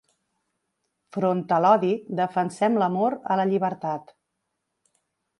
Front a l’odi, defensem l’amor a la llibertat